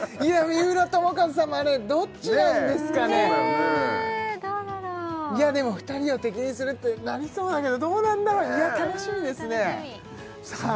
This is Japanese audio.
三浦友和さんもあれどっちなんですかねどうだろういやでも２人を敵にするってなりそうだけどどうなんだろういや楽しみですねさあ